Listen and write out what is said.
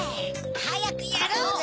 はやくやろうぜ！